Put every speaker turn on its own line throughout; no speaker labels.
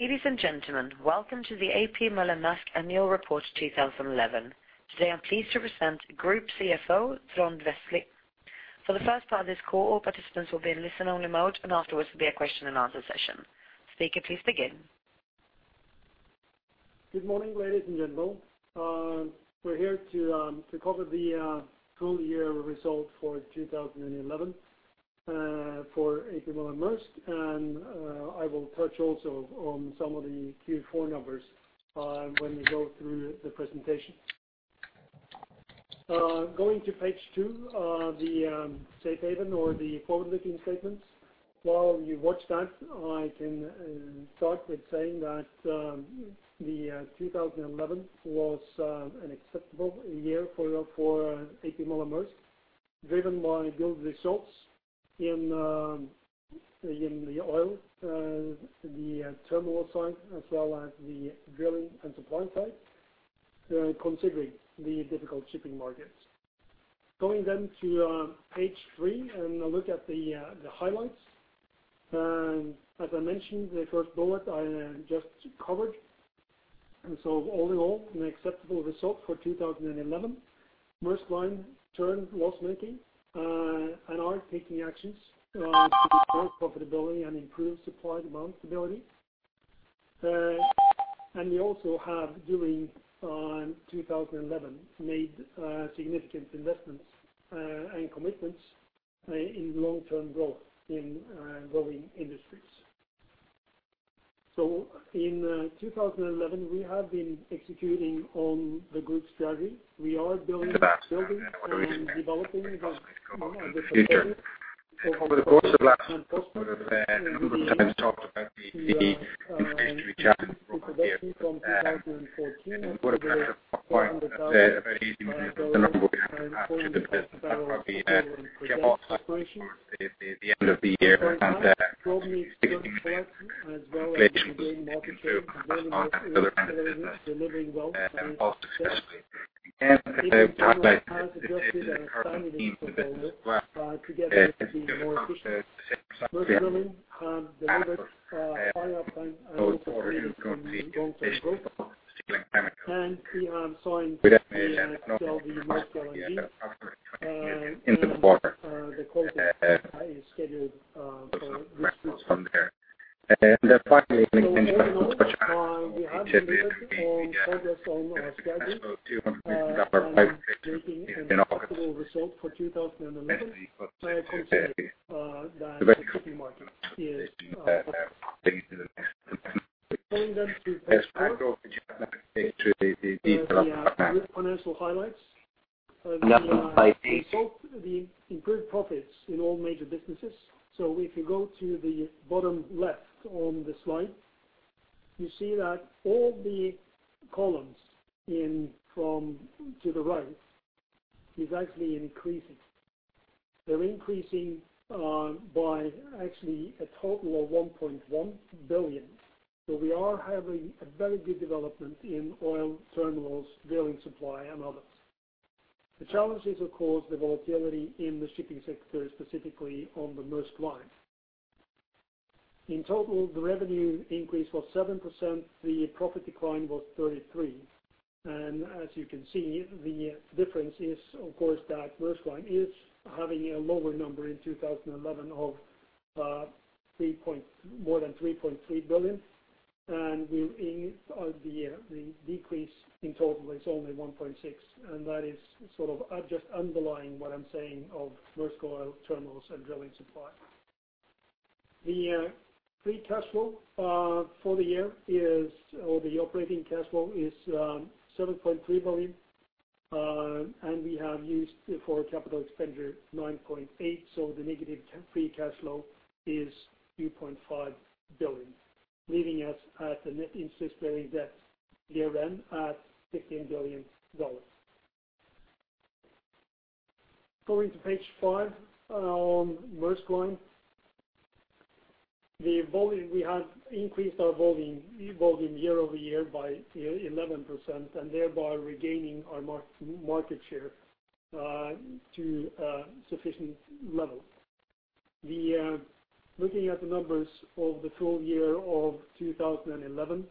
Ladies and gentlemen, welcome to the A.P. Moller - Maersk Annual Report 2011. Today I'm pleased to present Group CFO, Trond Westlie. For the first part of this call, all participants will be in listen only mode, and afterwards will be a question and answer session. Speaker, please begin.
Good morning, ladies and gentlemen. We're here to cover the full year result for 2011 for A.P. Moller - Maersk. I will touch also on some of the Q4 numbers when we go through the presentation. Going to page two, the safe harbor or the forward-looking statements. While you watch that, I can start with saying that 2011 was an acceptable year for A.P. Moller - Maersk. Driven by good results in the oil, the terminal side, as well as the drilling and supply side, considering the difficult shipping markets. Going to page three and a look at the highlights. As I mentioned, the first bullet I just covered. All in all, an acceptable result for 2011. Maersk Line turned loss-making and are taking actions to restore profitability and improve supply/demand stability. We also have during 2011 made significant investments and commitments in long-term growth in growing industries. In 2011, we have been executing on the group's strategy. We are building and developing the portfolio of products and customers in the production from 2014 with 100,000 TEUs and fully parallel drilling supply operations. At the same time, globally scale up as well as improve market share within oil and gas, delivering growth in service. In container, we have adjusted and streamlined the portfolio together with the market. Maersk Drilling have delivered high uptime and order bookings from long-term growth. We have signed the XLV Maersk LNG. The closing is scheduled for this week. All in all, we have delivered on progress on our strategy and making an acceptable result for 2011, considering that the shipping market is weak. Going to page four. The group financial highlights. We saw the improved profits in all major businesses. If you go to the bottom left on the slide, you see that all the columns from left to the right is actually increasing. They're increasing by actually a total of 1.1 billion. We are having a very good development in oil, terminals, drilling supply, and others. The challenge is, of course, the volatility in the shipping sector, specifically on the Maersk Line. In total, the revenue increase was 7%. The profit decline was 33%. As you can see, the difference is, of course, that Maersk Line is having a lower number in 2011 of more than $3.3 billion. And the decrease in total is only 1.6. That is sort of just underlying what I'm saying of Maersk Oil terminals and drilling supply. The free cash flow for the year is, or the operating cash flow is, $7.3 billion. And we have used for CapEx $9.8, so the negative free cash flow is $2.5 billion, leaving us at a net interest-bearing debt year-end at $15 billion. Going to page five, Maersk Line. We have increased our volume year over year by 11%, and thereby regaining our market share to a sufficient level. Looking at the numbers of the full year of 2011,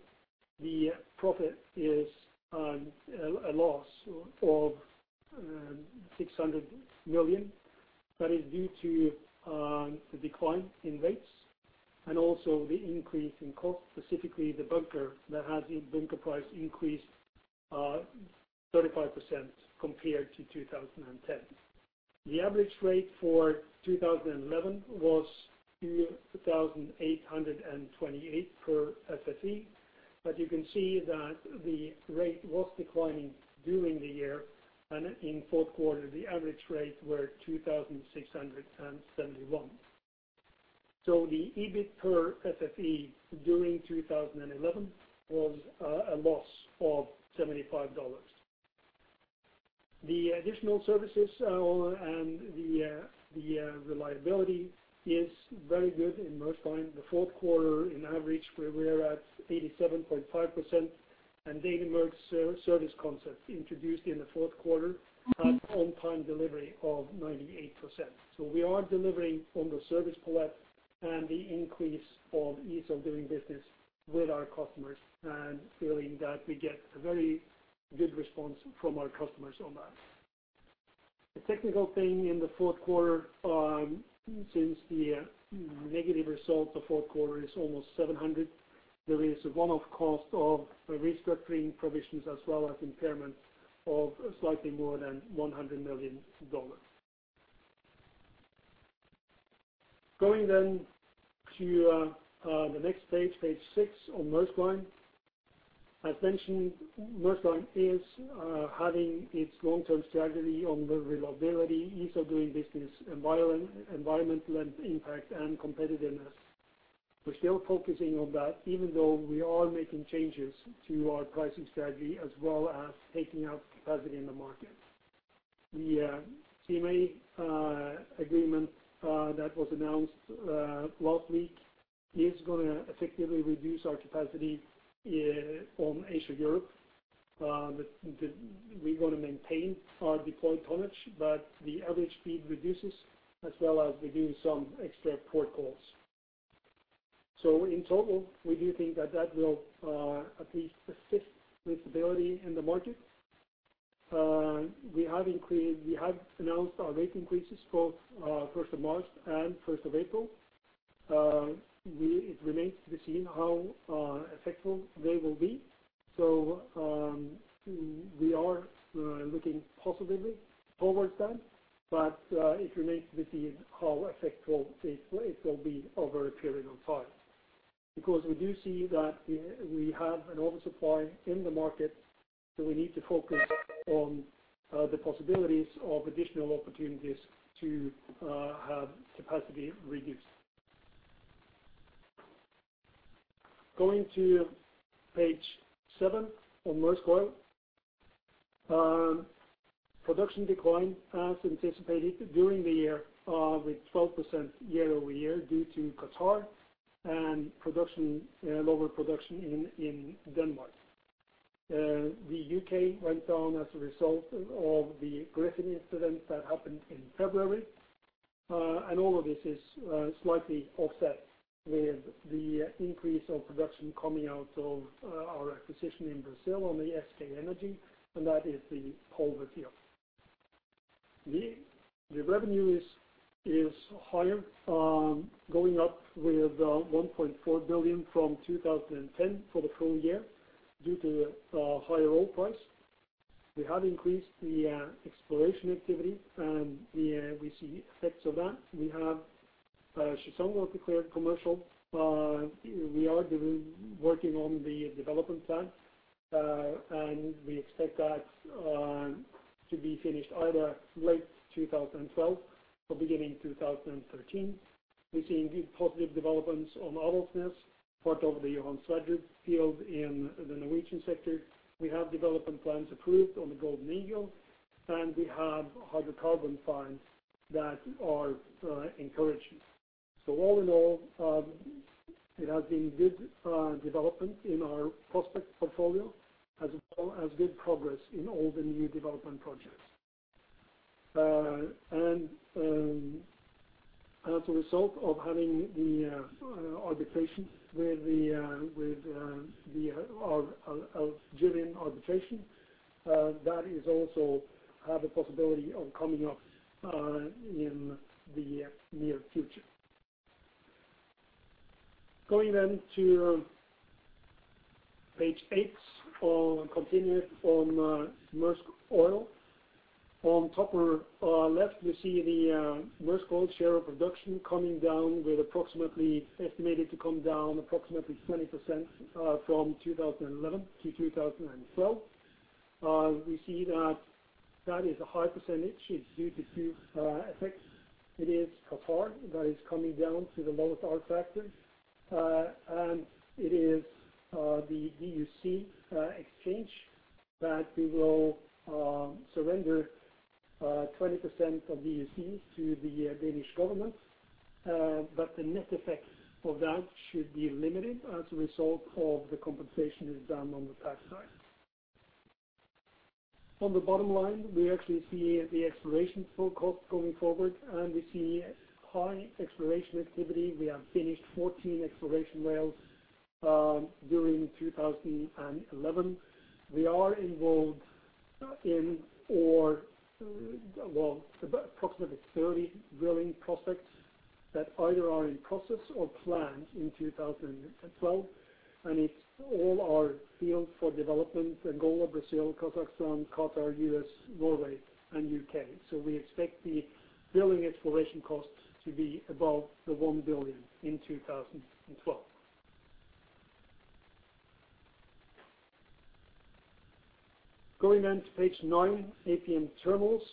the profit is a loss of 600 million. That is due to the decline in rates and also the increase in cost, specifically the bunker price increase 35% compared to 2010. The average rate for 2011 was $2,828 per FFE, but you can see that the rate was declining during the year and in fourth quarter, the average rate were $2,671. The EBIT per FEU during 2011 was a loss of $75. The additional services and the reliability is very good in Maersk Line. The fourth quarter on average, we are at 87.5%. Daily Maersk service concept introduced in the fourth quarter had on-time delivery of 98%. We are delivering on the service palette and the increase of ease of doing business with our customers and feeling that we get a very good response from our customers on that. The technical thing in the fourth quarter, since the negative result of fourth quarter is almost $700 million, there is a one-off cost of the restructuring provisions as well as impairment of slightly more than $100 million. Going to the next page six on Maersk Line. As mentioned, Maersk Line is having its long-term strategy on the reliability, ease of doing business, environment, environmental impact, and competitiveness. We're still focusing on that even though we are making changes to our pricing strategy as well as taking out capacity in the market. The CMA agreement that was announced last week is gonna effectively reduce our capacity on Asia, Europe. We're gonna maintain our deployed tonnage, but the average speed reduces as well as reducing some extra port calls. In total, we do think that will at least assist with stability in the market. We have announced our rate increases for first of March and first of April. It remains to be seen how effective they will be. We are looking positively towards them, but it remains to be seen how effective it will be over a period of time. Because we do see that we have an oversupply in the market, so we need to focus on the possibilities of additional opportunities to have capacity reduced. Going to page seven on Maersk Oil. Production declined as anticipated during the year with 12% year-over-year due to Qatar and lower production in Denmark. The UK went down as a result of the Gryphon incident that happened in February. All of this is slightly offset with the increase of production coming out of our acquisition in Brazil from the SK Energy, and that is the Polvo field. The revenue is higher going up with 1.4 billion from 2010 for the full year due to a higher oil price. We have increased the exploration activity, and we see effects of that. We have Chissonga was declared commercial. We are working on the development plan, and we expect that to be finished either late 2012 or beginning 2013. We're seeing good positive developments on Aldous, part of the Johan Sverdrup field in the Norwegian sector. We have development plans approved on the Golden Eagle, and we have hydrocarbon finds that are encouraging. All in all, it has been good development in our prospect portfolio as well as good progress in all the new development projects. As a result of having the arbitration with the Algerian arbitration, that also has a possibility of coming up in the near future. Going to page eight, continued on Maersk Oil. On the top left, you see the Maersk Oil share of production coming down, estimated to come down approximately 20% from 2011-2012. We see that is a high percentage. It's due to two effects. It is Qatar that is coming down to the lowest R factor. It is the DUC exchange that we will surrender 20% of DUC to the Danish government. The net effect of that should be limited as a result of the compensation is done on the tax side. On the bottom line, we actually see the exploration full cost going forward, and we see high exploration activity. We have finished 14 exploration wells during 2011. We are involved in about approximately 30 drilling prospects that either are in process or planned in 2012. It's all our fields for development, Angola, Brazil, Kazakhstan, Qatar, U.S., Norway, and U.K. We expect the drilling exploration costs to be above 1 billion in 2012. Going on to page nine, APM Terminals.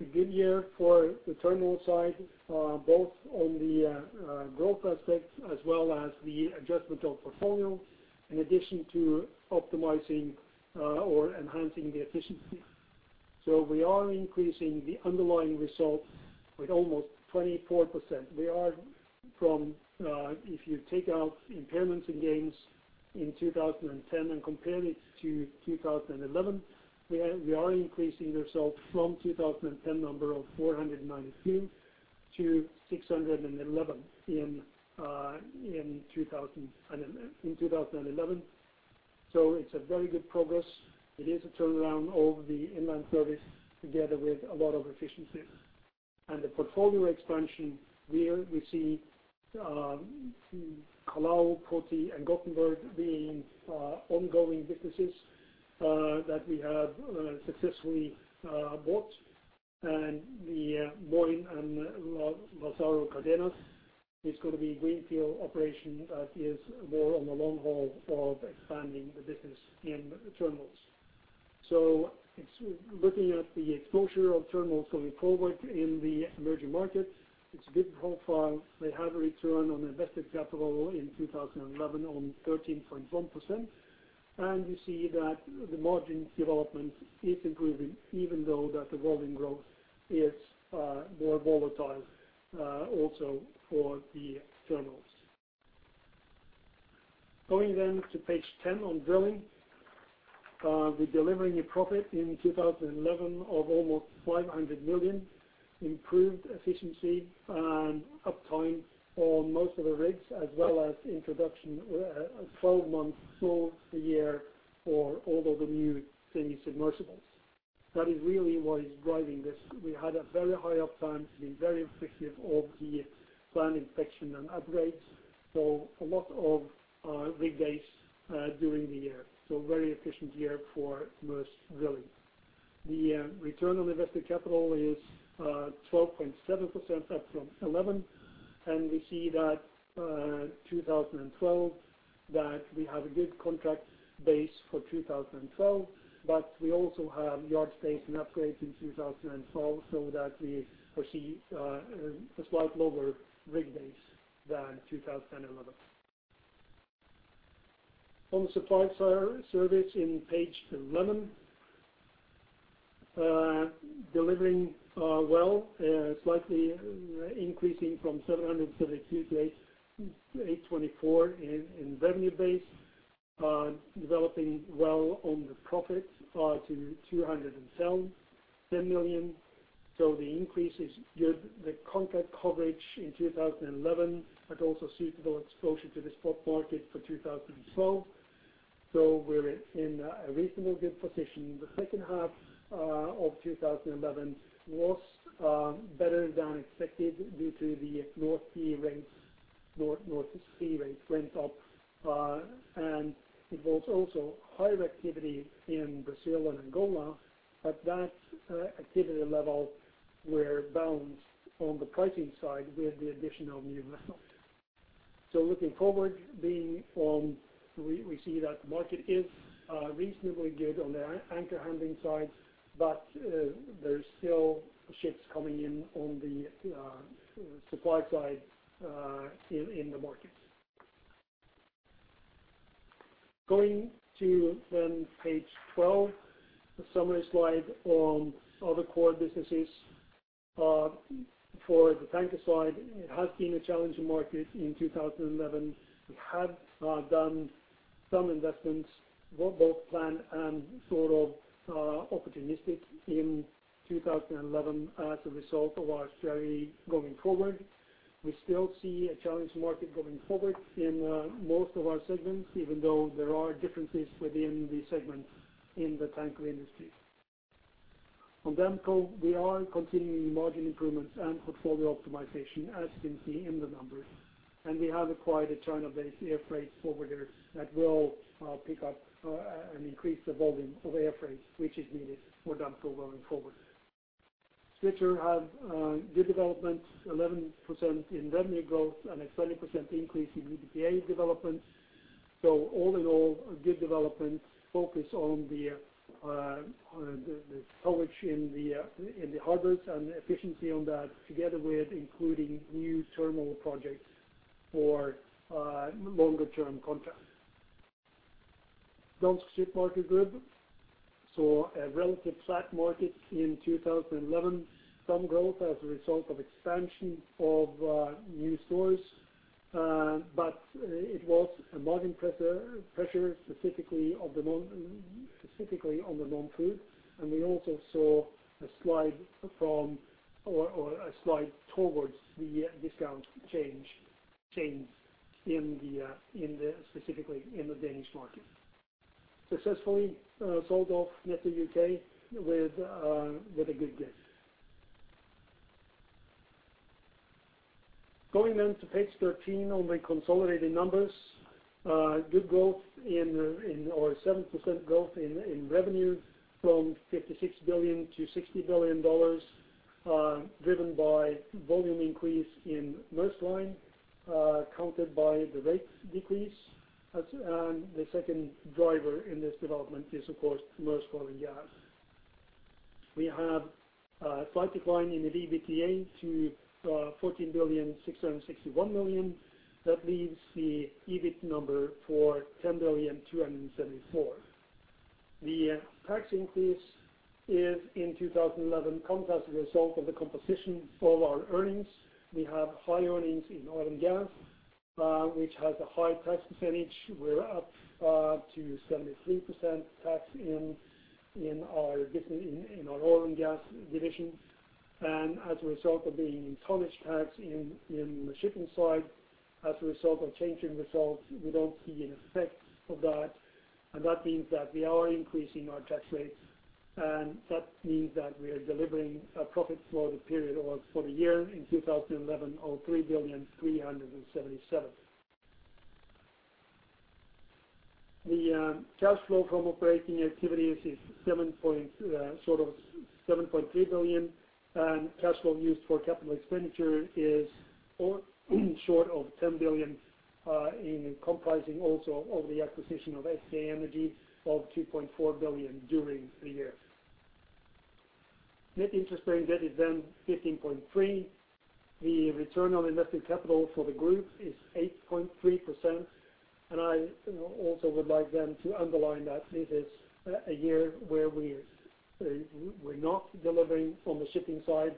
A good year for the terminal side, both on the growth aspect as well as the adjustment of portfolio, in addition to optimizing or enhancing the efficiency. We are increasing the underlying results with almost 24%. If you take out impairments and gains in 2010 and compare it to 2011, we are increasing the results from 2010 number of 492-611 in 2011. It's a very good progress. It is a turnaround of the inland service together with a lot of efficiencies. The portfolio expansion, here we see Callao, Cotonou, and Gothenburg being ongoing businesses that we have successfully bought. and Lázaro Cárdenas is gonna be greenfield operation that is more on the long haul of expanding the business in terminals. It's looking at the exposure of terminals going forward in the emerging markets. It's a good profile. They have a return on invested capital in 2011 on 13.1%. You see that the margin development is improving even though that the volume growth is more volatile, also for the terminals. Going then to page ten on drilling. We're delivering a profit in 2011 of almost 500 million, improved efficiency and uptime on most of the rigs, as well as introduction of a twelve-month slot year for all of the new semi-submersibles. That is really what is driving this. We had a very high uptime, been very effective on the planned inspection and upgrades. A lot of rig days during the year. Very efficient year for Maersk Drilling. The return on invested capital is 12.7% up from 11%, and we see that in 2012, we have a good contract base for 2012, but we also have yard stays and upgrades in 2012 so that we foresee slightly lower rig days than 2011. On the Maersk Supply Service on page 11, delivering slightly increasing from 772 million-884 million in revenue base. Developing well on the profit to 207.1 million. The increase is good. The contract coverage in 2011 had also suitable exposure to the spot market for 2012. We're in a reasonably good position. The second half of 2011 was better than expected due to the North Sea rates. North Sea rates went up, and it was also higher activity in Brazil and Angola. At that activity level, we're balanced on the pricing side with the addition of new vessels. Looking forward, we see that the market is reasonably good on the anchor handling side, but there's still ships coming in on the supply side in the market. Going to page 12, a summary slide on other core businesses. For the tanker side, it has been a challenging market in 2011. We have done some investments, both planned and sort of opportunistic in 2011 as a result of our strategy going forward. We still see a challenged market going forward in most of our segments, even though there are differences within the segment in the tanker industry. On Damco, we are continuing margin improvements and portfolio optimization, as you can see in the numbers. We have acquired a China-based air freight forwarder that will pick up an increased volume of air freight, which is needed for Damco going forward. Svitzer have good development, 11% in revenue growth and a 20% increase in EBITDA development. All in all, a good development. Focus on the tonnage in the harbors and the efficiency on that together with including new terminal projects for longer term contracts. Dansk Supermarked Group saw a relatively flat market in 2011. Some growth as a result of expansion of new stores, but it was a margin pressure specifically on the non-food. We also saw a slide towards the discount chain specifically in the Danish market. Successfully sold off Netto UK with a good gain. Going to page 13 on the consolidated numbers. Good 7% growth in revenue from $56 billion-$60 billion, driven by volume increase in Maersk Line, countered by the rate decrease. The second driver in this development is of course Maersk Oil. We have slight decline in the EBITDA to 14,661 million. That leaves the EBIT number for 10,274 million. The tax increase is in 2011 come as a result of the composition of our earnings. We have high earnings in oil and gas, which has a high tax percentage. We're up to 73% tax in our business, in our oil and gas division. As a result of the tonnage tax in the shipping side, as a result of changing results, we don't see an effect of that. That means that we are increasing our tax rate, and that means that we are delivering a profit for the period or for the year in 2011 of $3.377 billion. The cash flow from operating activities is $7.3 billion. Cash flow used for capital expenditure is $4 billion short of $10 billion, in comprising also of the acquisition of SK Energy of $2.4 billion during the year. Net interest-bearing debt is then $15.3 billion. The return on invested capital for the group is 8.3%. I also would like then to underline that this is a year where we're not delivering from the shipping side.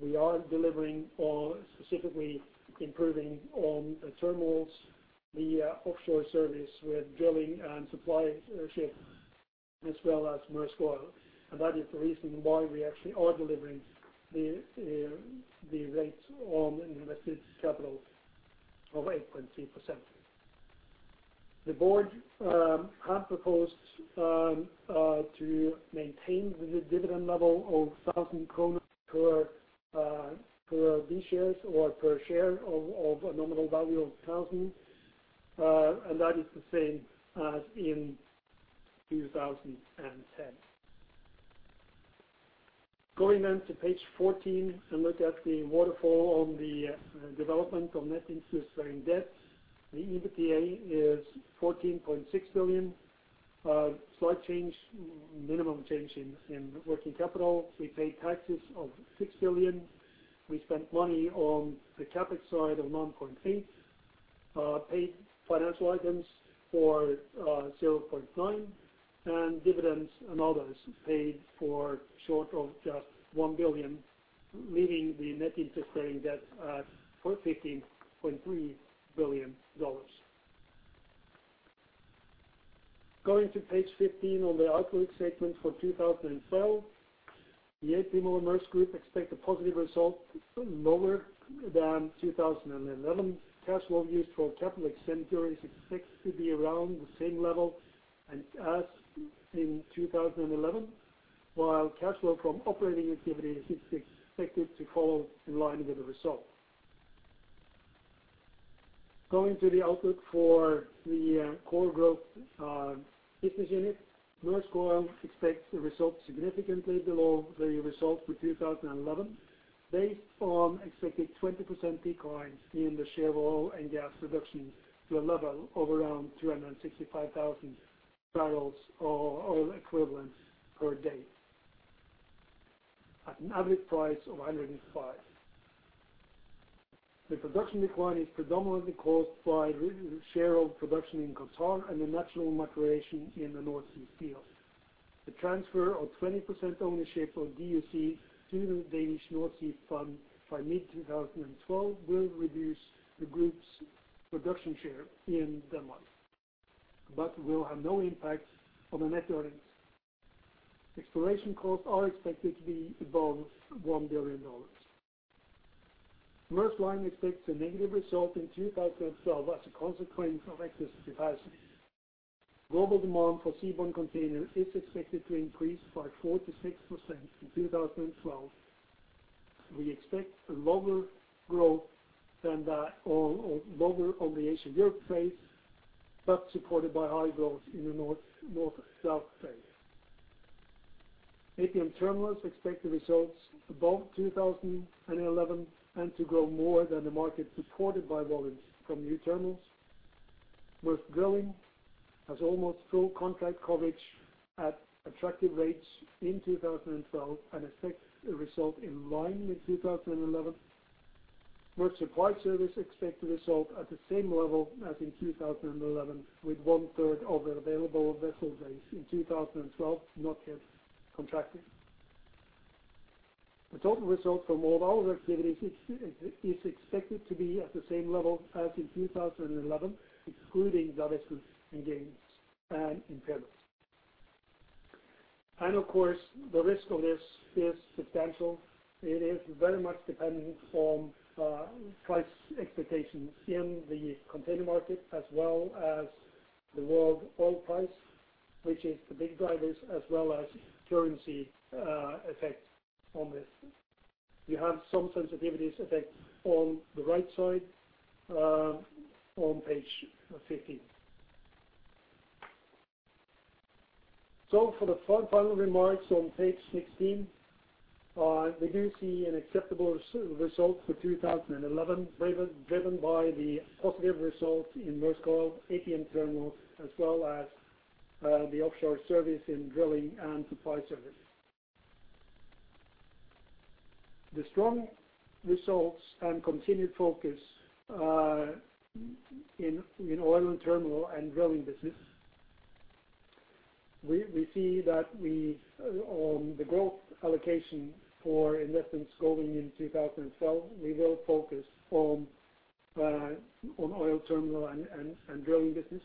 We are delivering on specifically improving on the terminals, the offshore service with drilling and supply ships, as well as Maersk Oil. That is the reason why we actually are delivering the rates on invested capital of 8.3%. The board have proposed to maintain the dividend level of 1,000 kroner per B shares or per share of a nominal value of 1,000. That is the same as in 2010. Going on to page 14 and look at the waterfall on the development of net interest-bearing debt. The EBITDA is 14.6 billion. Slight change, minimum change in working capital. We paid taxes of 6 billion. We spent money on the CapEx side of 9.8 billion. Paid financial items for $0.9 billion, and dividends and others paid, short of just $1 billion, leaving the net interest-bearing debt at $14.3 billion. Going to page 15 on the outlook statement for 2012. The A.P. Moller - Maersk Group expect a positive result lower than 2011. Cash flow used for capital expenditures is expected to be around the same level and as in 2011, while cash flow from operating activity is expected to follow in line with the result. Going to the outlook for the core growth business unit, Maersk Oil expects a result significantly below the result for 2011 based on expected 20% decline in the share of oil and gas production to a level of around 365,000 barrels of oil equivalent per day at an average price of $105. The production decline is predominantly caused by the sharehold production in Qatar and the natural maturation in the North Sea fields. The transfer of 20% ownership of DUC to Nordsøfonden by mid-2012 will reduce the group's production share in Denmark, but will have no impact on the net earnings. Exploration costs are expected to be above $1 billion. Maersk Line expects a negative result in 2012 as a consequence of excessive capacity. Global demand for seaborne container is expected to increase by 4%-6% in 2012. We expect a lower growth than that or lower on the Asia Europe trade, but supported by high growth in the North South trade. APM Terminals expect the results above 2011 and to grow more than the market supported by volumes from new terminals. Maersk Drilling has almost full contract coverage at attractive rates in 2012 and expect a result in line with 2011. Maersk Supply Service expect the result at the same level as in 2011, with one-third of the available vessel days in 2012 not yet contracted. The total result from all of our activities is expected to be at the same level as in 2011, excluding divestment gains and impairments. Of course, the risk of this is substantial. It is very much dependent on price expectations in the container market as well as the world oil price, which is the big drivers, as well as currency effect on this. You have some sensitivities effect on the right side on page 15. For the final remarks on page 16, we do see an acceptable result for 2011, driven by the positive result in Maersk Oil, APM Terminals, as well as the offshore service in drilling and supply service. The strong results and continued focus in oil and terminal and drilling business. We see the growth allocation for investments going in 2012. We will focus on oil terminal and drilling business.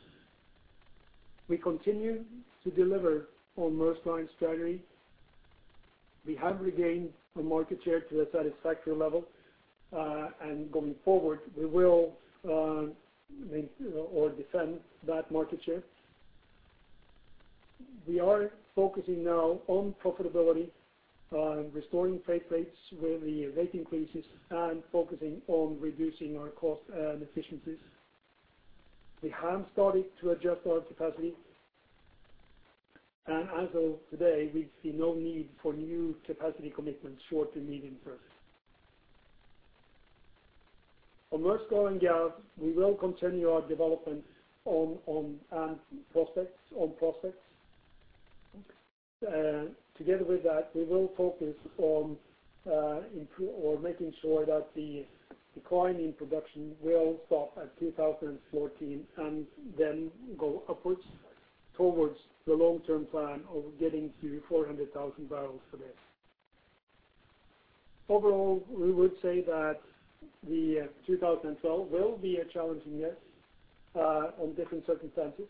We continue to deliver on Maersk Line strategy. We have regained the market share to a satisfactory level, and going forward, we will maintain or defend that market share. We are focusing now on profitability, restoring freight rates with the rate increases and focusing on reducing our cost and efficiencies. We have started to adjust our capacity. As of today, we see no need for new capacity commitments short to medium term. On Maersk Oil and Gas, we will continue our development on prospects. Together with that, we will focus on making sure that the decline in production will stop at 2014 and then go upwards towards the long term plan of getting to 400,000 barrels per day. Overall, we would say that 2012 will be a challenging year on different circumstances.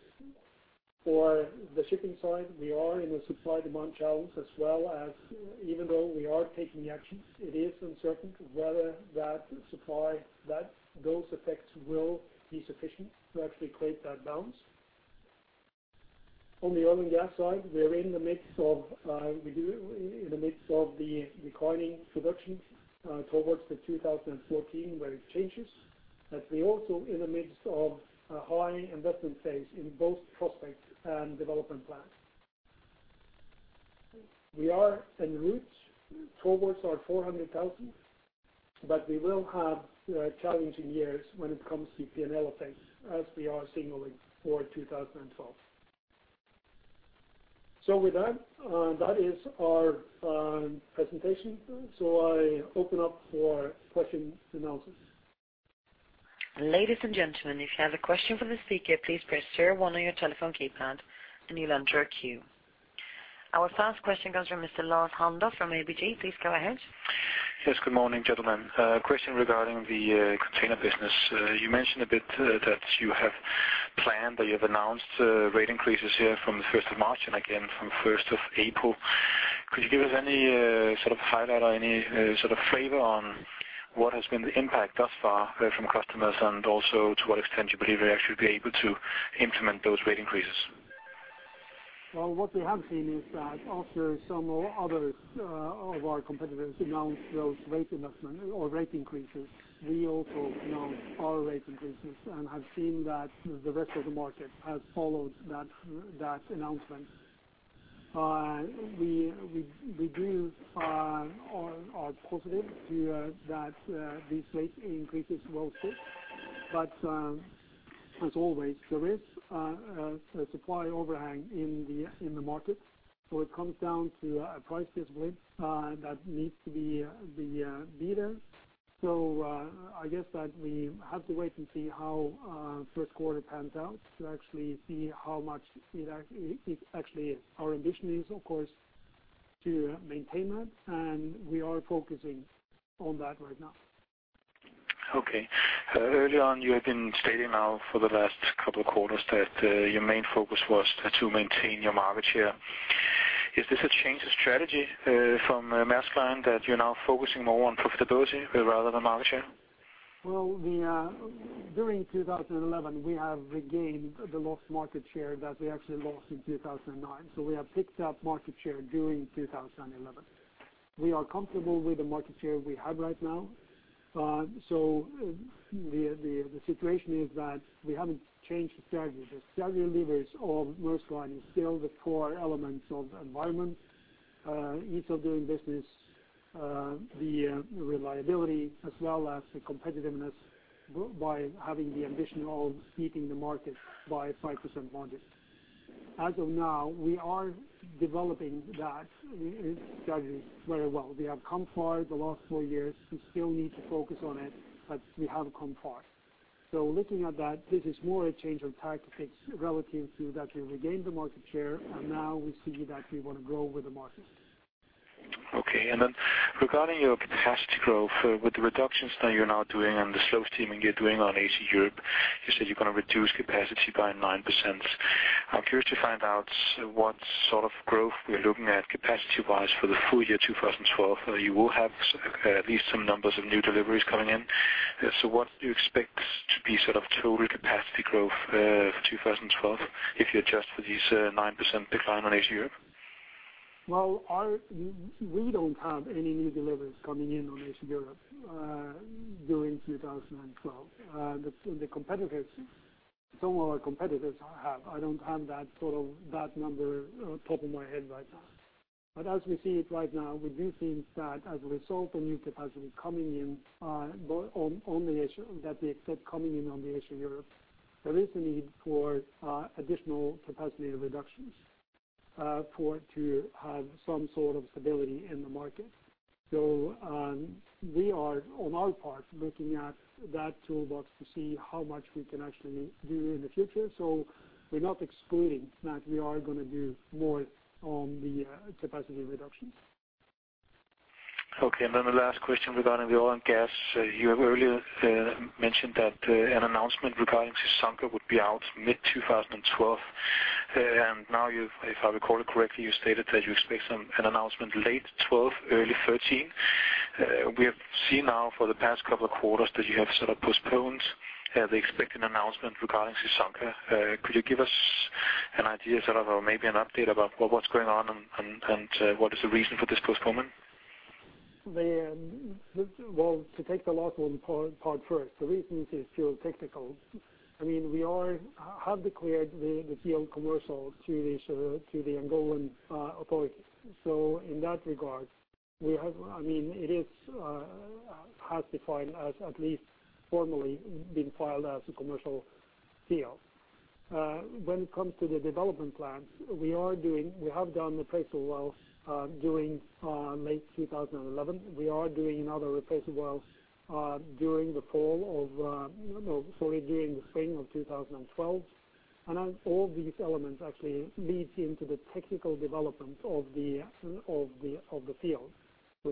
For the shipping side, we are in a supply demand challenge as well as even though we are taking actions, it is uncertain whether that supply, that those effects will be sufficient to actually create that balance. On the oil and gas side, we're in the midst of we do, in the midst of the declining production towards 2014 where it changes. We're also in the midst of a high investment phase in both prospects and development plans. We are in route towards our 400,000, but we will have challenging years when it comes to P&L effect as we are signaling for 2012. With that is our presentation. I open up for questions and answers.
Ladies and gentlemen, if you have a question for the speaker, please press star one on your telephone keypad, and you'll enter a queue. Our first question comes from Mr. Lars Heindorff from ABG. Please go ahead.
Yes, good morning, gentlemen. A question regarding the container business. You mentioned a bit that you have announced rate increases here from the first of March and again from first of April. Could you give us any sort of highlight or any sort of flavor on what has been the impact thus far from customers and also to what extent you believe you'll actually be able to implement those rate increases?
Well, what we have seen is that after some others of our competitors announced those rate increases, we also announced our rate increases and have seen that the rest of the market has followed that announcement. We are positive here that these rate increases will stick. But as always, there is a supply overhang in the market. It comes down to a price discipline that needs to be there. I guess that we have to wait and see how first quarter pans out to actually see how much it actually is. Our ambition is, of course, to maintain that, and we are focusing on that right now.
Okay. Early on, you have been stating now for the last couple of quarters that your main focus was to maintain your market share. Is this a change of strategy from Maersk Line that you're now focusing more on profitability rather than market share?
Well, during 2011, we have regained the lost market share that we actually lost in 2009. We have picked up market share during 2011. We are comfortable with the market share we have right now. The situation is that we haven't changed the strategy. The strategy levers of Maersk Line is still the core elements of environment, ease of doing business, the reliability as well as the competitiveness by having the ambition of beating the market by 5% margin. As of now, we are developing that strategy very well. We have come far the last 4 years. We still need to focus on it, but we have come far. Looking at that, this is more a change on tactics relative to that we regained the market share, and now we see that we want to grow with the market.
Okay. Regarding your capacity growth, with the reductions that you're now doing and the slow steaming you're doing on Asia-Europe, you said you're going to reduce capacity by 9%. I'm curious to find out what sort of growth we're looking at capacity wise for the full year 2012. You will have at least some numbers of new deliveries coming in. What do you expect to be sort of total capacity growth, 2012, if you adjust for these, 9% decline on Asia-Europe?
We don't have any new deliveries coming in on Asia-Europe during 2012. The competitors, some of our competitors have. I don't have that sort of, that number, top of my head right now. As we see it right now, we do think that as a result of new capacity coming in, on the Asia that we expect coming in on the Asia-Europe, there is a need for additional capacity reductions for it to have some sort of stability in the market. We are on our part looking at that toolbox to see how much we can actually do in the future. We're not excluding that we are gonna do more on the capacity reductions.
Okay. The last question regarding the oil and gas. You have earlier mentioned that an announcement regarding Chissonga would be out mid-2012. Now you've, if I recall it correctly, stated that you expect an announcement late 2012, early 2013. We have seen now for the past couple of quarters that you have sort of postponed the expected announcement regarding Chissonga. Could you give us an idea sort of, or maybe an update about what's going on and what is the reason for this postponement?
To take the last one part first, the reason is purely technical. I mean, we have declared the field commercial to the Angolan authorities. In that regard, I mean, it has been defined as at least formally a commercial field. When it comes to the development plans, we have done appraisal wells during late 2011. We are doing another appraisal wells during the spring of 2012. Then all these elements actually leads into the technical development of the field.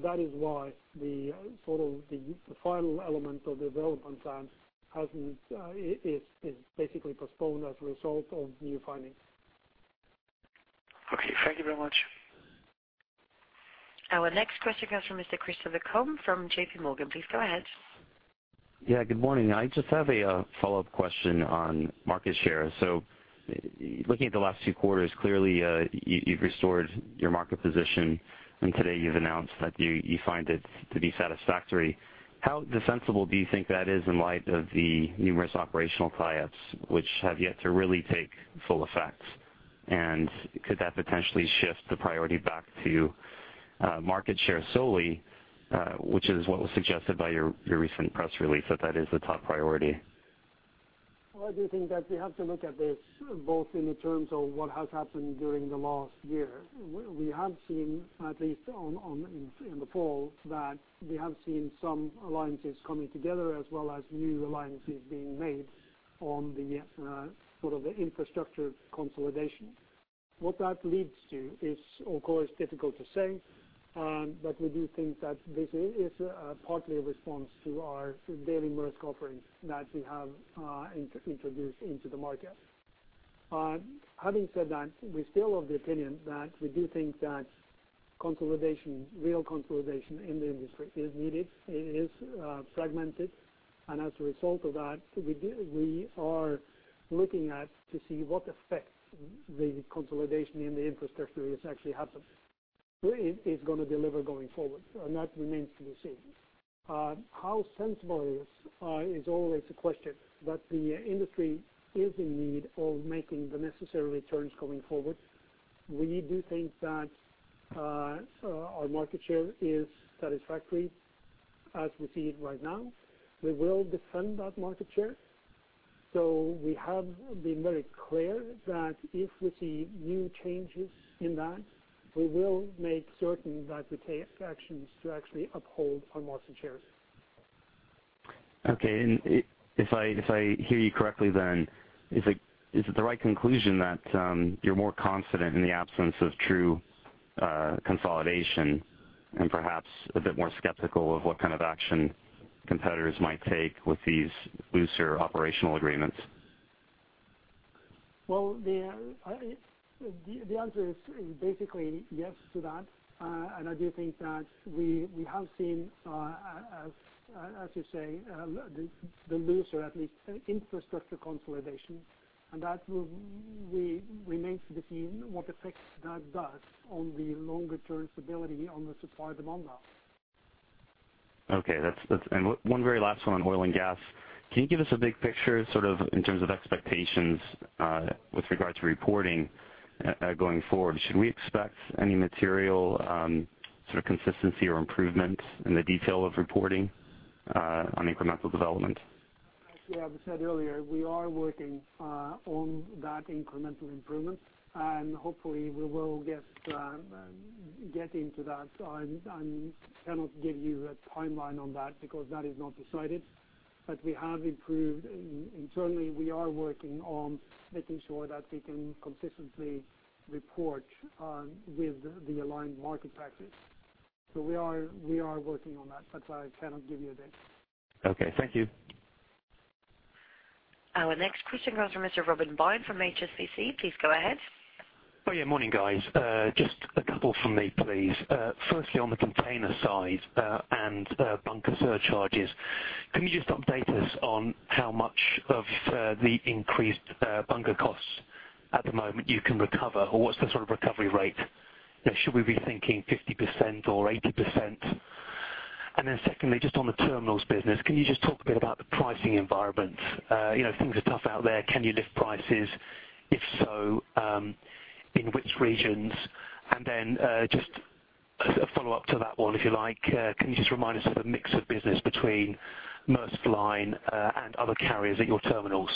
That is why the sort of the final element of development plan is basically postponed as a result of new findings.
Okay, thank you very much.
Our next question comes from Mr. Christopher Combe from JPMorgan. Please go ahead.
Yeah, good morning. I just have a follow-up question on market share. Looking at the last two quarters, clearly, you've restored your market position, and today you've announced that you find it to be satisfactory. How defensible do you think that is in light of the numerous operational tie-ups which have yet to really take full effect? Could that potentially shift the priority back to market share solely, which is what was suggested by your recent press release, that is the top priority?
Well, I do think that we have to look at this both in the terms of what has happened during the last year. We have seen at least in the fall some alliances coming together as well as new alliances being made on the sort of the infrastructure consolidation. What that leads to is, of course, difficult to say, but we do think that this is partly a response to our Daily Maersk offerings that we have introduced into the market. Having said that, we still of the opinion that we do think that consolidation, real consolidation in the industry is needed. It is fragmented. As a result of that, we are looking to see what effects the consolidation in the infrastructure is actually happening. Where it is gonna deliver going forward, and that remains to be seen. How sensible it is is always a question, but the industry is in need of making the necessary turns going forward. We do think that our market share is satisfactory as we see it right now. We will defend that market share. We have been very clear that if we see new changes in that, we will make certain that we take actions to actually uphold our market shares.
Okay. If I hear you correctly then, is it the right conclusion that you're more confident in the absence of true consolidation and perhaps a bit more skeptical of what kind of action competitors might take with these looser operational agreements?
Well, the answer is basically yes to that. I do think that we have seen, as you say, the looser at least infrastructure consolidation. That will remains to be seen what effects that does on the longer term stability on the supply demand now.
Okay. That's one very last one on oil and gas. Can you give us a big picture sort of in terms of expectations with regards to reporting going forward? Should we expect any material sort of consistency or improvement in the detail of reporting on incremental development?
As we have said earlier, we are working on that incremental improvement, and hopefully we will get into that. I cannot give you a timeline on that because that is not decided. We have improved internally. We are working on making sure that we can consistently report with the aligned market practice. We are working on that, but I cannot give you a date.
Okay. Thank you.
Our next question comes from Mr. Robin Byde from HSBC. Please go ahead.
Oh, yeah, morning, guys. Just a couple from me, please. Firstly, on the container side and bunker surcharges, can you just update us on how much of the increased bunker costs at the moment you can recover, or what's the sort of recovery rate? Should we be thinking 50% or 80%? Then secondly, just on the terminals business, can you just talk a bit about the pricing environment? You know, things are tough out there. Can you lift prices? If so, in which regions? Just as a follow-up to that one, if you like, can you just remind us of the mix of business between Maersk Line and other carriers at your terminals?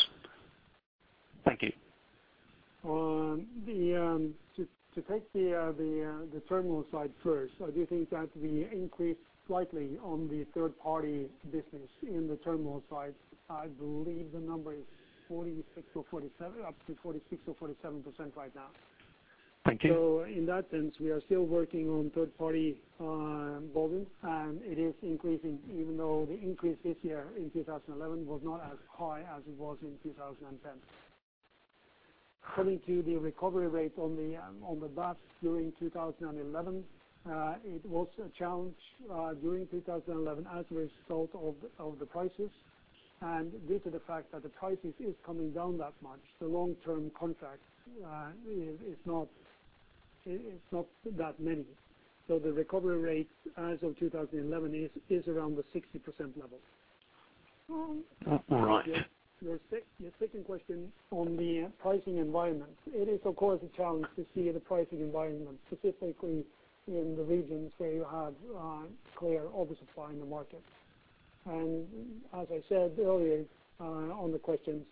Thank you.
To take the terminal side first, I do think that we increased slightly on the third party business in the terminal side. I believe the number is 46 or 47, up to 46 or 47% right now.
Thank you.
In that sense, we are still working on third-party volume, and it is increasing, even though the increase this year in 2011 was not as high as it was in 2010. Coming to the recovery rate on the BAF during 2011, it was a challenge during 2011 as a result of the prices. Due to the fact that the prices is coming down that much, the long-term contracts is not that many. The recovery rate as of 2011 is around the 60% level.
All right.
Your second question on the pricing environment. It is of course a challenge to see the pricing environment, specifically in the regions where you have clear oversupply in the market. As I said earlier, on the questions,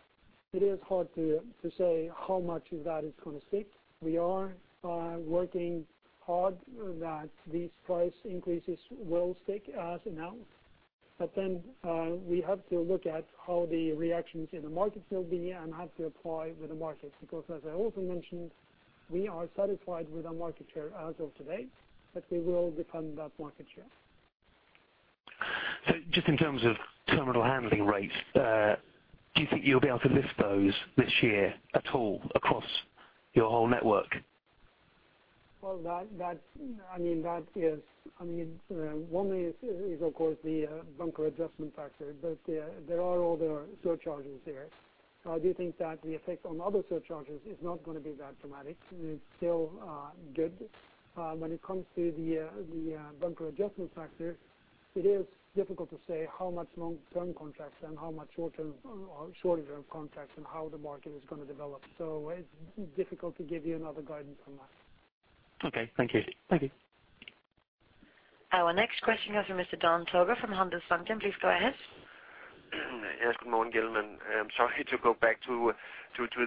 it is hard to say how much of that is gonna stick. We are working hard that these price increases will stick as announced. We have to look at how the reactions in the markets will be and have to apply with the markets. Because as I also mentioned, we are satisfied with our market share as of today, but we will defend that market share.
Just in terms of terminal handling rates, do you think you'll be able to lift those this year at all across your whole network?
I mean, that is one of course the bunker adjustment factor, but there are other surcharges there. I do think that the effect on other surcharges is not gonna be that dramatic. It's still good. When it comes to the bunker adjustment factor, it is difficult to say how much long-term contracts and how much short-term or shorter term contracts and how the market is gonna develop. It's difficult to give you another guidance on that.
Okay. Thank you.
Thank you.
Our next question comes from Mr. Dan Togo from Handelsbanken. Please go ahead.
Yes, good morning, gentlemen. Sorry to go back to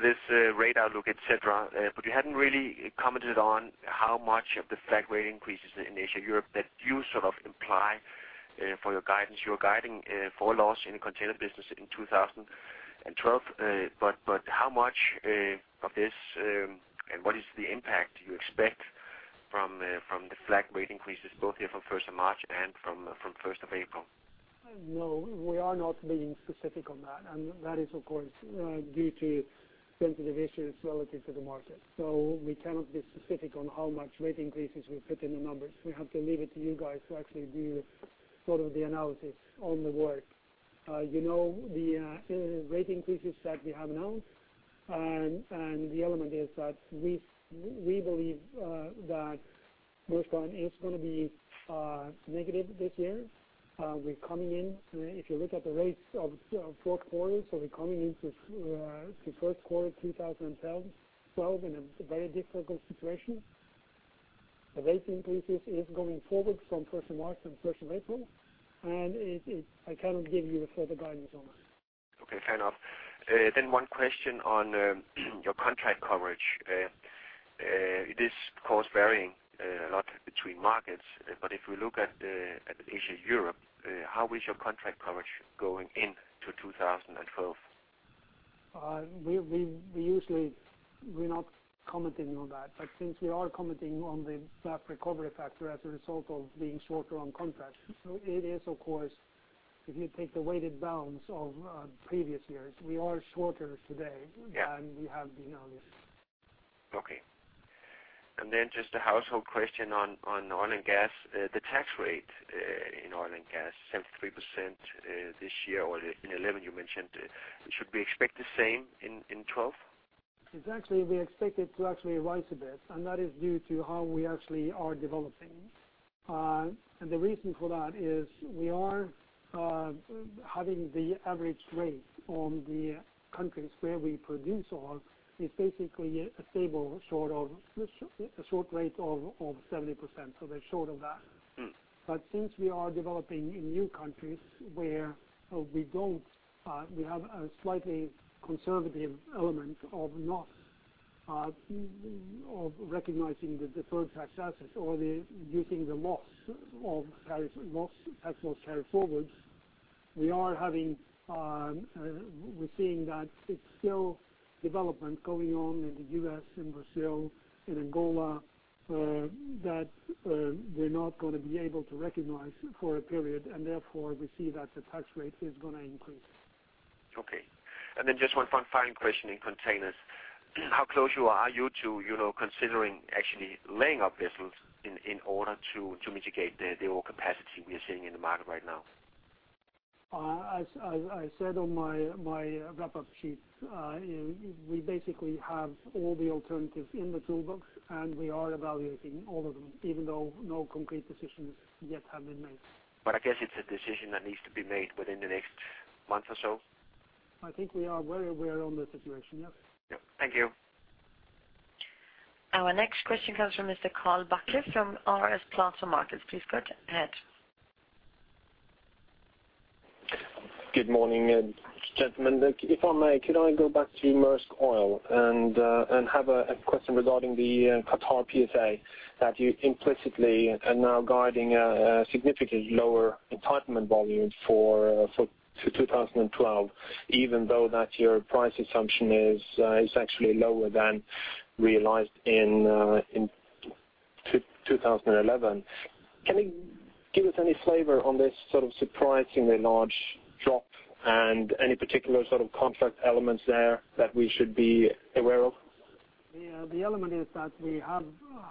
this rate outlook, et cetera. You hadn't really commented on how much of the freight rate increases in Asia, Europe that you sort of imply for your guidance. You're guiding for loss in the container business in 2012. How much of this and what is the impact you expect from the freight rate increases, both here from first of March and from first of April?
No, we are not being specific on that. That is, of course, due to sensitive issues relative to the market. We cannot be specific on how much rate increases we put in the numbers. We have to leave it to you guys to actually do sort of the analysis on the work. You know, the rate increases that we have announced, and the element is that we believe that Maersk Line is gonna be negative this year. We're coming in, if you look at the rates of fourth quarter, so we're coming into the first quarter 2012 in a very difficult situation. The rate increases is going forward from first of March and first of April, and I cannot give you further guidance on that.
Okay, fair enough. One question on your contract coverage. It is of course varying a lot between markets. If we look at Asia, Europe, how is your contract coverage going into 2012?
We usually, we're not commenting on that. Since we are commenting on the BAF recovery factor as a result of being shorter on contracts, it is, of course, if you take the weighted balance of previous years, we are shorter today.
Yeah.
than we have been earlier.
Okay. Just a housekeeping question on oil and gas. The tax rate in oil and gas, 73%, this year or in 2011 you mentioned. Should we expect the same in 2012?
It's actually we expect it to actually rise a bit, and that is due to how we actually are developing. The reason for that is we are having the average rate in the countries where we produce oil is basically a stable sort of 70%. They're short of that.
Mm.
Since we are developing in new countries where we don't have a slightly conservative element of not recognizing the deferred tax assets or using the tax loss carry-forwards. We're seeing that there's still development going on in the US, in Brazil, in Angola, that we're not gonna be able to recognize for a period and therefore we see that the tax rate is gonna increase.
Okay. Just one final question in containers. How close are you to, you know, considering actually laying up vessels in order to mitigate the overcapacity we are seeing in the market right now?
As I said on my wrap-up sheet, we basically have all the alternatives in the toolbox, and we are evaluating all of them, even though no concrete decisions yet have been made.
I guess it's a decision that needs to be made within the next month or so?
I think we are very aware of the situation, yes.
Yep. Thank you.
Our next question comes from Mr. Carl Bachke from RS Platou Markets. Please go ahead.
Good morning, gentlemen. If I may, could I go back to Maersk Oil and have a question regarding the Qatar PSA that you implicitly are now guiding a significantly lower entitlement volume for 2012, even though that your price assumption is actually lower than realized in 2011. Can you give us any flavor on this sort of surprisingly large drop and any particular sort of contract elements there that we should be aware of?
Yeah. The element is that we have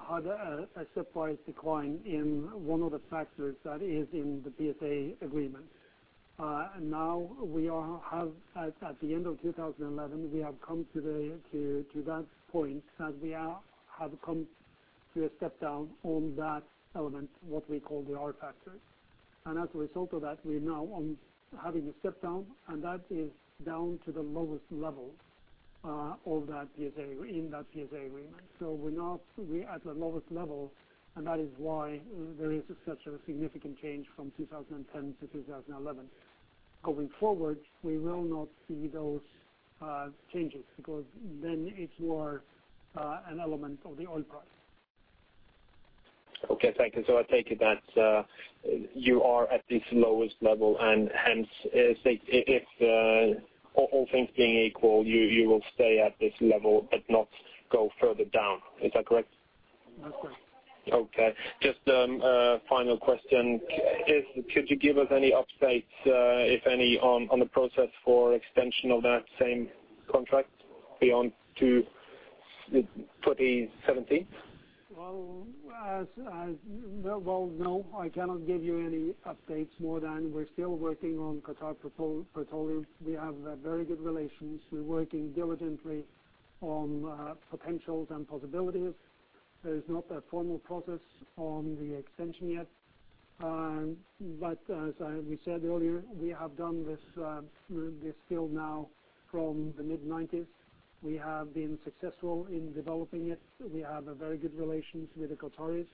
had a surprise decline in one of the factors that is in the PSA agreement. Now we have at the end of 2011, we have come to that point that we have come to a step-down on that element, what we call the R factor. As a result of that, we're now having a step-down, and that is down to the lowest levels of that PSA in that PSA agreement. We're at the lowest level, and that is why there is such a significant change from 2010 to 2011. Going forward, we will not see those changes because then it's more an element of the oil price.
Okay, thank you. I take it that you are at this lowest level, and hence, if all things being equal, you will stay at this level but not go further down. Is that correct?
That's correct.
Okay. Just a final question. Could you give us any updates, if any, on the process for extension of that same contract beyond to 2017?
Well, no, I cannot give you any updates more than we're still working on Qatar Petroleum. We have very good relations. We're working diligently on potentials and possibilities. There is not a formal process on the extension yet. As we said earlier, we have done this field now from the mid-nineties. We have been successful in developing it. We have a very good relations with the Qataris.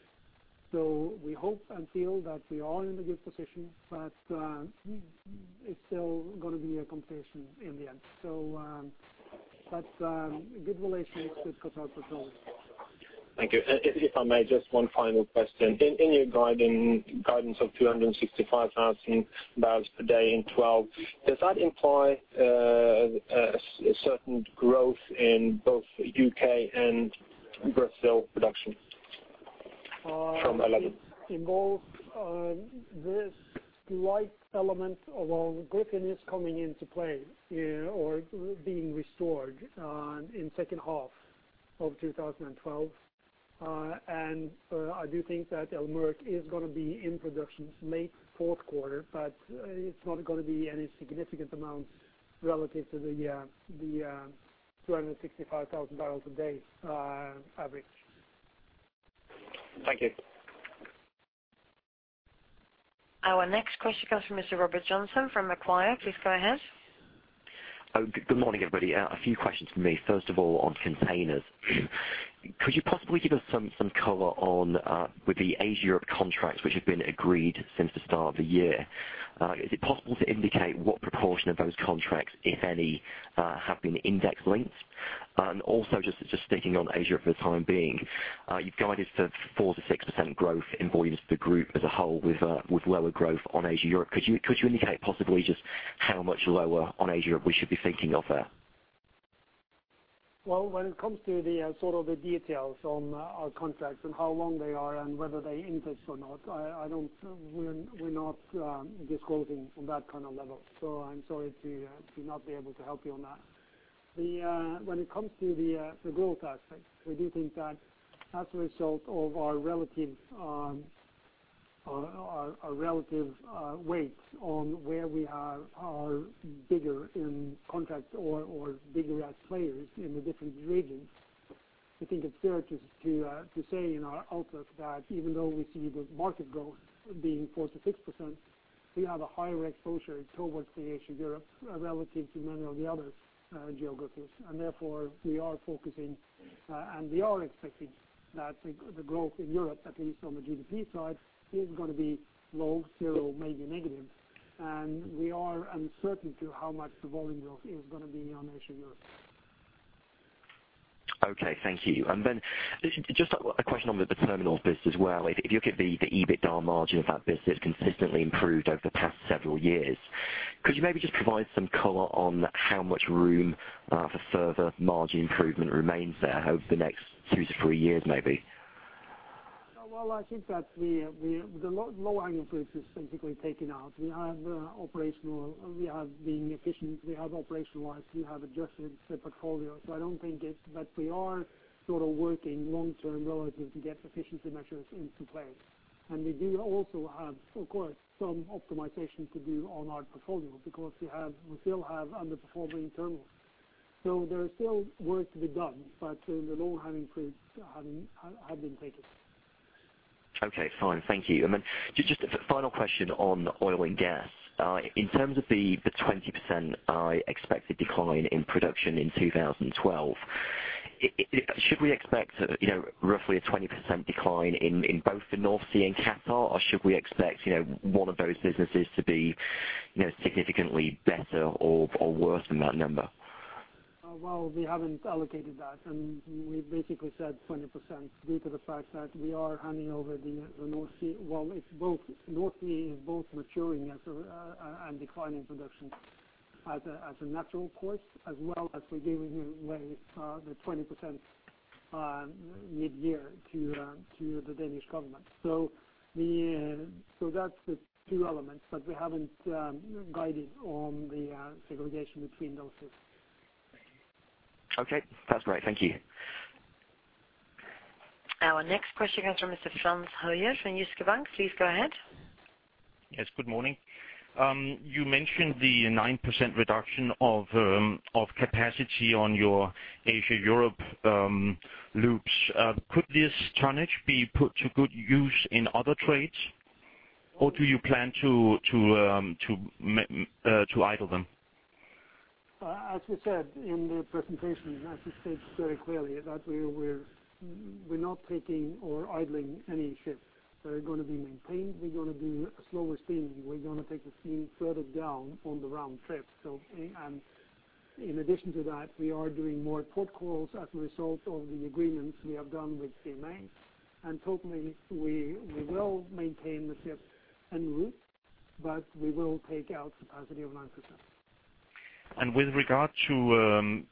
We hope and feel that we are in a good position, but it's still gonna be a competition in the end, but good relationships with Qatar Petroleum.
Thank you. If I may, just one final question. In your guidance of 265,000 barrels per day in 2012, does that imply a certain growth in both UK and Brazil production from 2011?
It involves this slight element of Gryphon coming into play or being restored in second half of 2012. I do think that Al Shaheen is gonna be in production late fourth quarter, but it's not gonna be any significant amount relative to the 265,000 barrels a day average.
Thank you.
Our next question comes from Mr. Robert Joynson from Macquarie. Please go ahead.
Oh, good morning, everybody. A few questions from me, first of all, on containers. Could you possibly give us some color on with the Asia contracts which have been agreed since the start of the year, is it possible to indicate what proportion of those contracts, if any, have been index-linked? Also just sticking on Asia for the time being, you've guided for 4%-6% growth in volumes for the group as a whole with lower growth on Asia-Europe. Could you indicate possibly just how much lower on Asia we should be thinking of there?
Well, when it comes to the sort of the details on our contracts and how long they are and whether they interest or not, we're not disclosing on that kind of level. I'm sorry to not be able to help you on that. When it comes to the growth aspect, we do think that as a result of our relative weights on where we are are bigger in contracts or bigger as players in the different regions, we think it's fair to say in our outlook that even though we see the market growth being 4%-6%, we have a higher exposure towards the Asia-Europe relative to many of the other geographies. Therefore, we are focusing, and we are expecting that the growth in Europe, at least on the GDP side, is gonna be low, zero, maybe negative. We are uncertain to how much the volume growth is gonna be on Asia-Europe.
Okay, thank you. Just a question on the terminals business as well. If you look at the EBITDA margin of that business, it's consistently improved over the past several years. Could you maybe just provide some color on how much room for further margin improvement remains there over the next two to three years, maybe?
Well, I think that the low-hanging fruit is typically taken out. We have been efficient. We have operationalized, we have adjusted the portfolio. I don't think it's, but we are sort of working long term relative to get efficiency measures into place. We do also have, of course, some optimization to do on our portfolio because we still have underperforming terminals. There is still work to be done, but the low-hanging fruit has been taken.
Okay, fine. Thank you. Just a final question on oil and gas. In terms of the 20% expected decline in production in 2012, should we expect, you know, roughly a 20% decline in both the North Sea and Qatar? Or should we expect, you know, one of those businesses to be, you know, significantly better or worse than that number?
Well, we haven't allocated that, and we basically said 20% due to the fact that we are handing over the North Sea. Well, it's both North Sea is maturing as a and declining production as a natural course, as well as we're giving away the 20%, mid-year to the Danish government. That's the two elements, but we haven't guided on the segregation between those two.
Okay. That's great. Thank you.
Our next question comes from Mr. Frans Høyer from Jyske Bank. Please go ahead.
Yes, good morning. You mentioned the 9% reduction of capacity on your Asia-Europe loops. Could this tonnage be put to good use in other trades, or do you plan to idle them?
As we said in the presentation, and as we state very clearly, that we're not taking or idling any ships. They're gonna be maintained. We're gonna do slower steaming. We're gonna take the steaming further down on the round trip. In addition to that, we are doing more port calls as a result of the agreements we have done with CMA. Totally, we will maintain the ships en route, but we will take out capacity of 9%.
With regard to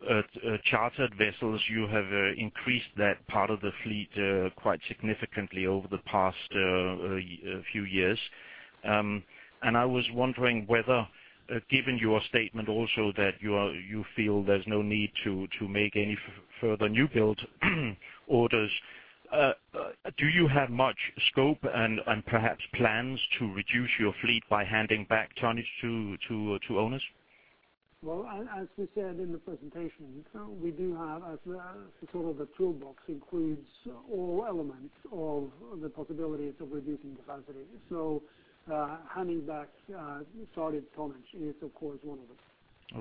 chartered vessels, you have increased that part of the fleet quite significantly over the past few years. I was wondering whether, given your statement also that you feel there's no need to make any further new build orders, do you have much scope and perhaps plans to reduce your fleet by handing back tonnage to owners?
Well, as we said in the presentation, we do have as sort of a toolbox, includes all elements of the possibilities of reducing capacity. Handing back chartered tonnage is of course one of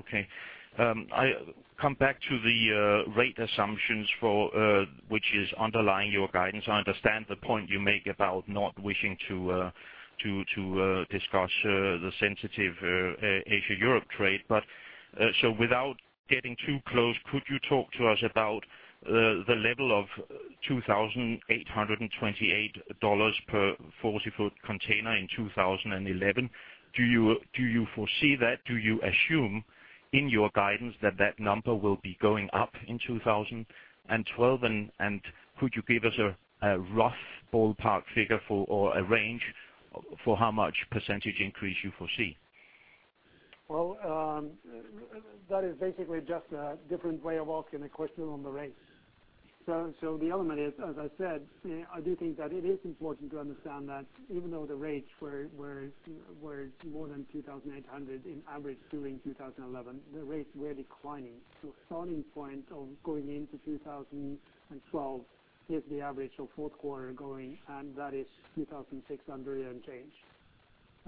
them.
I come back to the rate assumptions for which is underlying your guidance. I understand the point you make about not wishing to discuss the sensitive Asia-Europe trade. Without getting too close, could you talk to us about the level of $2,828 per 40-foot container in 2011? Do you foresee that? Do you assume in your guidance that that number will be going up in 2012? Could you give us a rough ballpark figure for, or a range for, how much percentage increase you foresee?
That is basically just a different way of asking a question on the rates. The element is, as I said, I do think that it is important to understand that even though the rates were more than 2,800 on average during 2011, the rates were declining. A starting point of going into 2012 is the average of fourth quarter going, and that is 2,600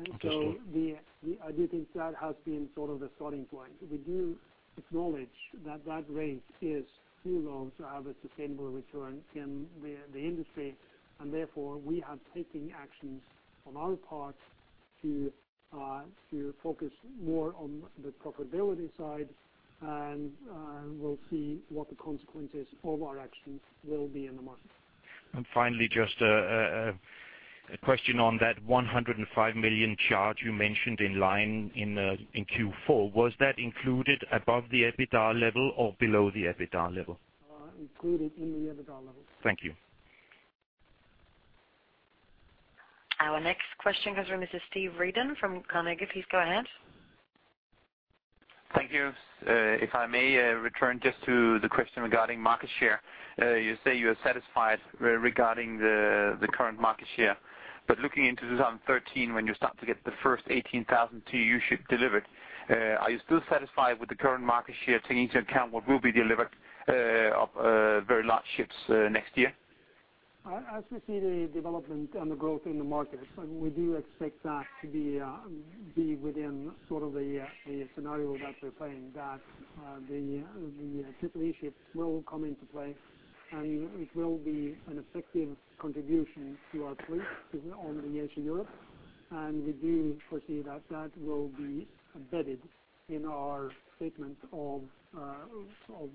and change.
Okay.
I do think that has been sort of the starting point. We do acknowledge that that rate is too low to have a sustainable return in the industry, and therefore we are taking actions on our part to focus more on the profitability side. We'll see what the consequences of our actions will be in the market.
Finally, just a question on that $105 million charge you mentioned in Q4. Was that included above the EBITDA level or below the EBITDA level?
Included in the EBITDA level.
Thank you.
Our next question comes from Mr. Frederiksen from Carnegie. Please go ahead.
Thank you. If I may, return just to the question regarding market share. You say you are satisfied regarding the current market share. Looking into 2013, when you start to get the first 18,000 TEU ship delivered, are you still satisfied with the current market share taking into account what will be delivered of very large ships next year?
As we see the development and the growth in the market, and we do expect that to be within sort of the scenario that we're saying, that the Triple-E ships will come into play, and it will be an effective contribution to our fleet on the Asia-Europe. We do foresee that that will be embedded in our statement of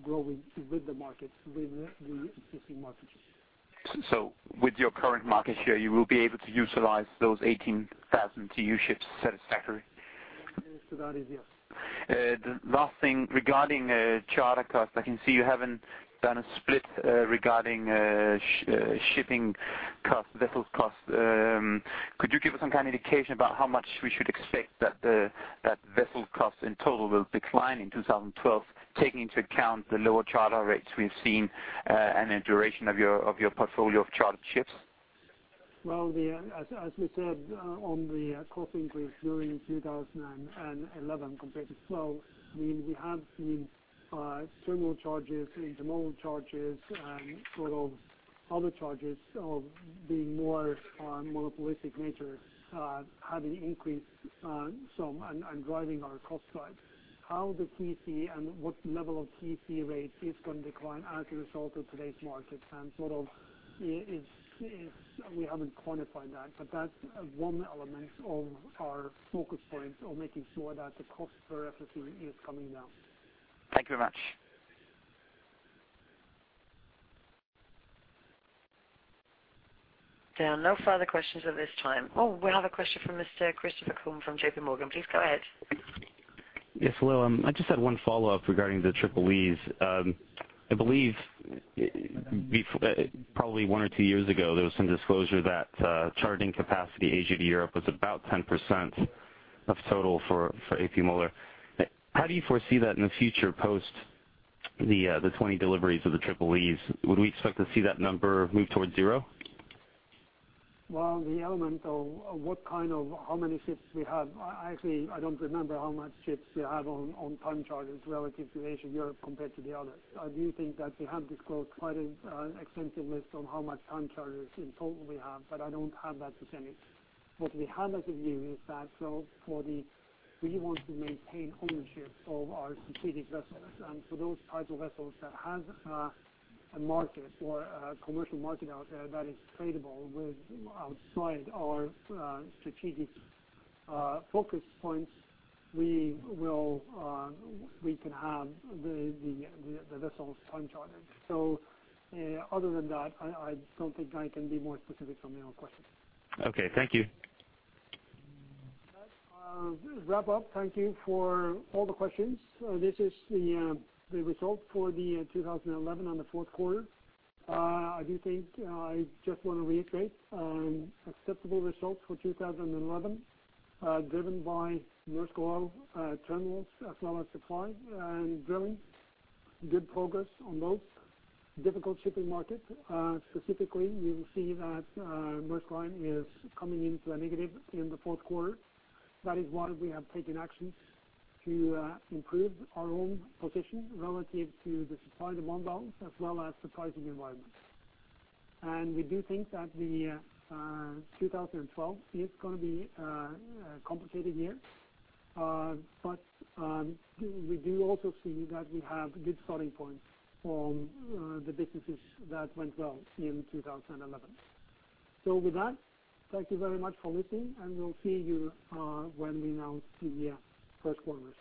growing with the market, with the existing market share.
With your current market share, you will be able to utilize those 18,000 TEU ships satisfactorily?
The answer to that is yes.
The last thing, regarding charter cost, I can see you haven't done a split, regarding shipping cost, vessel cost. Could you give us some kind of indication about how much we should expect that the vessel cost in total will decline in 2012, taking into account the lower charter rates we've seen, and the duration of your portfolio of charter ships?
Well, as we said, on the cost increase during 2011 compared to 2012, I mean, we have seen terminal charges, intermodal charges, and sort of other charges of being more on monopolistic nature, having increased some and driving our cost side. How the TC and what level of TC rate is going to decline as a result of today's market and sort of it's we haven't quantified that, but that's one element of our focus points of making sure that the cost per FEU is coming down.
Thank you very much.
There are no further questions at this time. Oh, we have a question from Mr. Christopher Combe from J.P. Morgan. Please go ahead.
Yes, hello. I just had one follow-up regarding the Triple-E's. I believe probably one or two years ago, there was some disclosure that charter capacity Asia to Europe was about 10% of total for A.P. Moller-Maersk. How do you foresee that in the future, post the 20 deliveries of the Triple-E's? Would we expect to see that number move towards zero?
Well, the element of what kind of, how many ships we have, I actually, I don't remember how many ships we have on time charters relative to Asia-Europe compared to the others. I do think that we have disclosed quite an extensive list of how many time charters in total we have, but I don't have that percentage. What we have as a view is that we want to maintain ownership of our strategic vessels, and those types of vessels that have a market or a commercial market out there that is tradable with outside our strategic focus points, we can have the vessels time chartered. Other than that, I don't think I can be more specific on your question.
Okay, thank you.
That wraps up. Thank you for all the questions. This is the result for 2011 on the fourth quarter. I do think I just want to reiterate, acceptable results for 2011, driven by APM Terminals as well as supply and drilling. Good progress on both. Difficult shipping market. Specifically, you will see that, Maersk Line is coming into a negative in the fourth quarter. That is why we have taken actions to, improve our own position relative to the supply demand balance as well as pricing environments. We do think that the, 2012 is gonna be a complicated year. We do also see that we have good starting points from, the businesses that went well in 2011. With that, thank you very much for listening, and we'll see you when we announce the first quarter results.